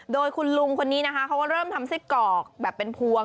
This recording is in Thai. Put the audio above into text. โดยคุณลุงคนนี้นะคะเขาก็เริ่มทำไส้กรอกแบบเป็นพวง